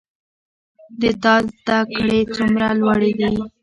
د تا زده کړي څومره لوړي دي